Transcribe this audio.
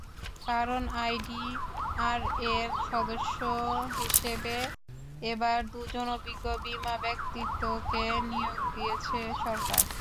কারণ, আইডিআরএর সদস্য হিসেবে এবার দুজন অভিজ্ঞ বিমা ব্যক্তিত্বকে নিয়োগ দিয়েছে সরকার।